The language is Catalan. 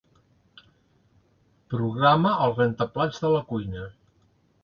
Programa el rentaplats de la cuina.